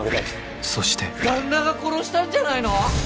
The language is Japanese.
そして旦那が殺したんじゃないの？